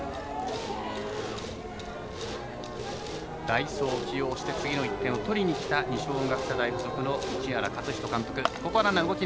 代走を起用して次の１点をとりにきた二松学舎大付属の市原勝人監督。